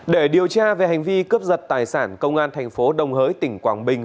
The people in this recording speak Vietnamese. để điều tra về hành vi cướp giật tài sản công an tp đồng hới tỉnh quảng bình